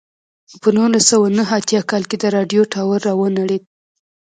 په نولس سوه نهه اتیا کال کې د راډیو ټاور را ونړېد.